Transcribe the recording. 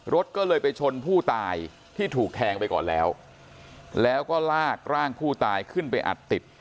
รถก็เลยไปชนผู้ตายที่ถูกแทงไปก่อนแล้วแล้วก็ลากร่างผู้ตายขึ้นไปอัดติด